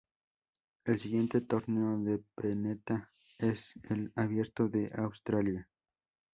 El siguiente torneo de Pennetta es el Abierto de Australia.